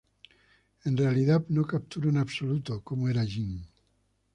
En realidad no capturó en absoluto cómo era Jim.